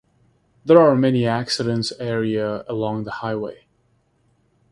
There are many accidents area along the highway.